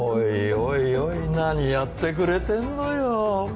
おいおい何やってくれてんのよ。